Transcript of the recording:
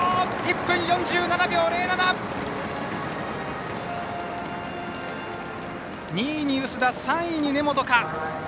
１分４７秒０７！２位に薄田、３位に根本か。